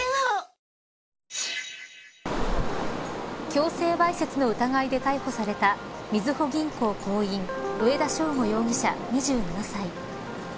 強制わいせつの疑いで逮捕されたみずほ銀行行員上田捷吾容疑者、２７歳。